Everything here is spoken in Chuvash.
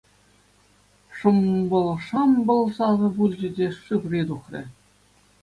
Шӑмпӑл-шампӑл сасӑ пулчӗ те, Шыври тухрӗ.